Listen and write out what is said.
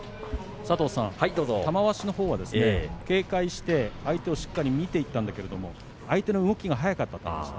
玉鷲のほうは警戒して相手をしっかり見ていたんだけれども相手の動きが速かったと言ってました。